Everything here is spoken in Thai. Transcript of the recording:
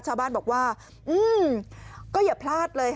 ชาวบ้านบอกว่าก็อย่าพลาดเลย